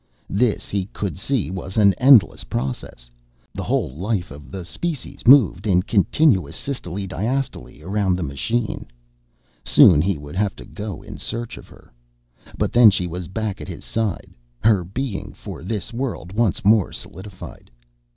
This, he could see, was an endless process. The whole life of the species moved in continuous systole diastole around the machine. Soon he would have to go in search of her. But then she was back at his side, her being for this world once more solidified.